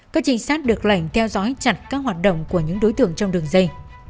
các trinh sát được lệnh theo dõi chặt các hoạt động của những đối tượng trong đường dây